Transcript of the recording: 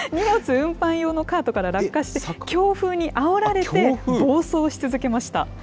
荷物運搬用のカートから落下して、強風にあおられて暴走し続けました。